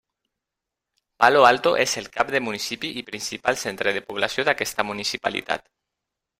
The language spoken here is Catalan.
Palo Alto és el cap de municipi i principal centre de població d'aquesta municipalitat.